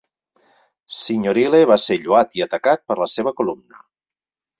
Signorile va ser lloat i atacat per la seva columna.